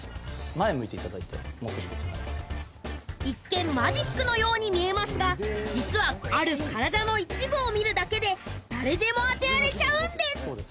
前向いていただいてもう少しこっち一見マジックのように見えますが実はある体の一部を見るだけで誰でも当てられちゃうんです！